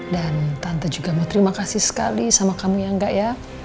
dan tante juga mau terima kasih sekali sama kamu yang gak ya